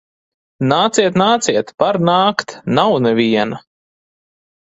Nāciet, nāciet! Var nākt. Nav neviena.